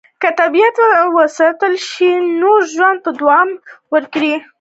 که طبیعت وساتل شي، نو ژوند به دوام وکړي.